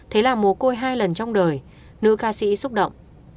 thế là mồ côi hai lần trong đời nữ ca sĩ xúc động